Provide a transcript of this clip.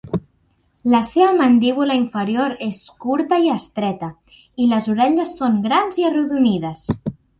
La seva mandíbula inferior és curta i estreta, i les orelles són grans i arrodonides.